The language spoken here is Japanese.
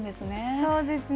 そうですね。